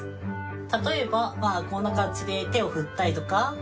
例えばまあこんな感じで手を振ったりとか。